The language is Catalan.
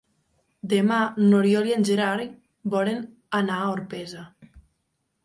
Demà n'Oriol i en Gerai volen anar a Orpesa.